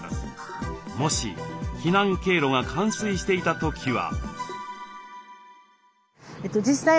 もし避難経路が冠水していた時は？